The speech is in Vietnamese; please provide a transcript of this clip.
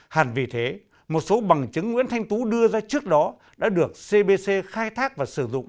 hẳn vì thế một số bằng chứng nguyễn thanh tú đưa ra trước đó đã được cbc khai thác và sử dụng